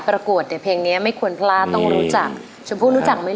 โปรดติดตามต่อไป